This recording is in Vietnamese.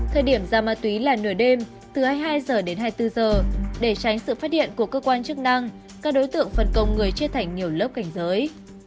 thời điểm ra ma túy là nửa đêm từ hai mươi hai h đến hai mươi bốn giờ để tránh sự phát hiện của cơ quan chức năng các đối tượng phần công người chia thành nhiều lớp cảnh giới